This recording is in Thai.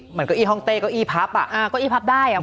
เหมือนเก้าอี้ห้องเต้เก้าอี้พับอ่ะเก้าอี้พับได้อ่ะพูด